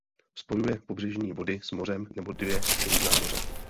Spojuje pobřežní vody s mořem nebo dvě různá moře.